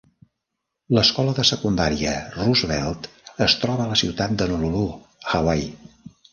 L'escola de secundària Roosevelt es troba a la ciutat de Honolulu, Hawaii.